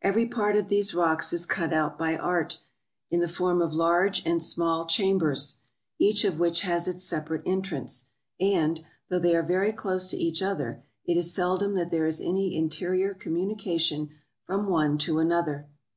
Every part of these rocks is cut out by art, in the form of large and small chambers, each of which has its separate entrance ; and, though they are very close to each other, it is seldom that there is any interior communication from one to another.